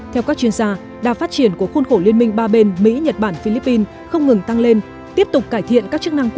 theo các chuyên gia đà phát triển của khuôn khổ liên minh ba bên mỹ nhật bản philippines không ngừng tăng lên tiếp tục cải thiện các chức năng của